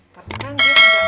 tapi kan dia udah